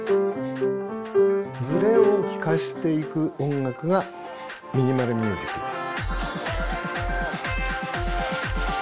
ズレを聴かせていく音楽がミニマル・ミュージックです。